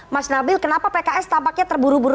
mas nabil kenapa pks tampaknya terburu buru